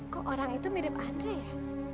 kok orang itu mirip andre ya